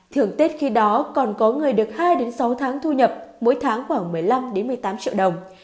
thưởng tết khi đó còn có người được hai sáu tháng thu nhập mỗi tháng khoảng một mươi năm một mươi tám triệu đồng